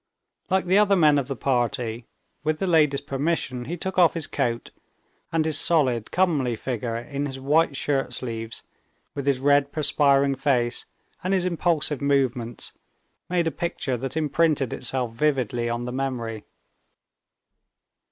Like the other men of the party, with the ladies' permission, he took off his coat, and his solid, comely figure in his white shirt sleeves, with his red perspiring face and his impulsive movements, made a picture that imprinted itself vividly on the memory.